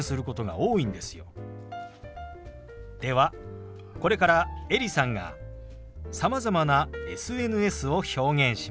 ではこれからエリさんがさまざまなＳＮＳを表現します。